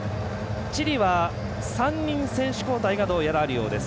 チリは３人、選手交代がどうやらあるようです。